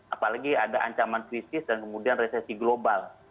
apalagi ada ancaman krisis dan kemudian resesi global